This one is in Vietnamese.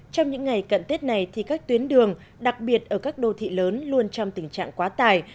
trong những ngày cận tết này thì các tuyến đường đặc biệt ở các đô thị lớn luôn trong tình trạng quá tải